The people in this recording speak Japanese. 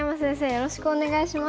よろしくお願いします。